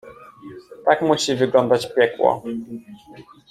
"Tak musi wyglądać piekło."